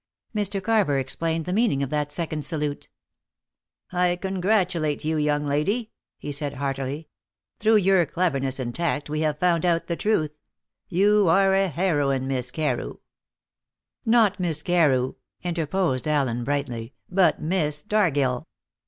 Mr. Carver explained the meaning of that second salute. "I congratulate you, young lady," he said heartily. "Through your cleverness and tact we have found out the truth. You are a heroine, Miss Carew." "Not Miss Carew," interposed Allen brightly, "but Miss Dargill."